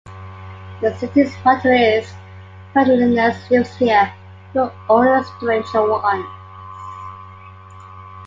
The city's motto is, Friendliness lives here - you're only a stranger once.